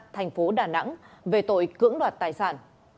tp đà nẵng về tội cưỡng đoạt tài sản